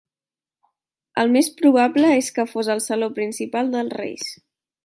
El més probable és que fos el saló principal dels reis.